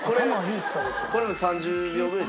これも３０秒ぐらいで？